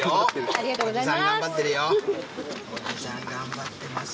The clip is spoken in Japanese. ありがとうございます。